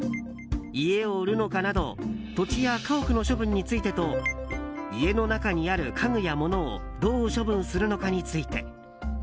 家を売るのか？など土地や家屋の処分についてと家の中にある家具や物をどう処分するのかについて。